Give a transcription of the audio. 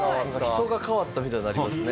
人が変わったみたいになりますね。